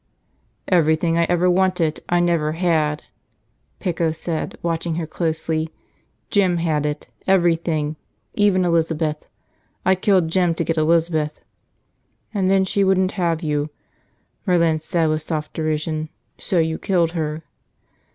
"Everything I ever wanted, I never had," Pico said, watching her closely. "Jim had it. Everything. Even Elizabeth. I killed Jim to get Elizabeth." "And then she wouldn't have you," Merlin said with soft derision. "So you killed her."